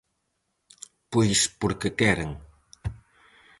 Pois porque queren.